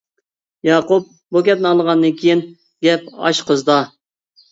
ياقۇپ بۇ گەپنى ئاڭلىغاندىن كېيىن: گەپ ئاشۇ قىزىدا!